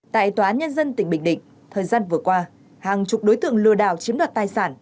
tại tòa nhân dân tỉnh bình định thời gian vừa qua hàng chục đối tượng lừa đảo chiếm đoạt tài sản